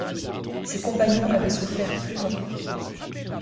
Ses compagnons avaient souffert plus encore.